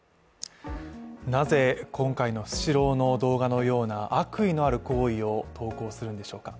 なぜ今回のスシローの動画のような悪意のある行為を投稿するんでしょうか。